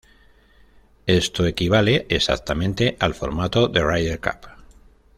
Esto equivale exactamente al formato del Ryder Cup.